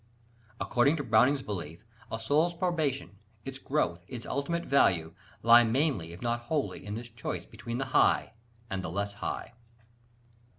According to Browning's belief, a soul's probation, its growth, its ultimate value, lie mainly if not wholly in this choice between the high and the less high.